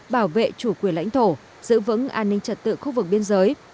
bảo vệ chủ quyền lãnh thổ giữ vững an ninh trật tự khu vực biên giới